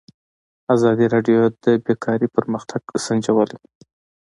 ازادي راډیو د بیکاري پرمختګ سنجولی.